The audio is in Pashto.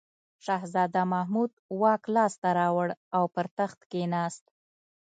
شهزاده محمود واک لاس ته راوړ او پر تخت کښېناست.